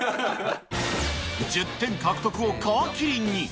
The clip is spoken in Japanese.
１０点獲得を皮きりに。